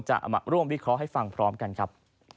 จะมาร่วมวิเคราะห์ให้ฟังพร้อมกันครับ